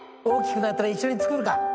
大きくなったら一緒に作るか。